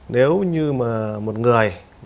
nếu như mà một người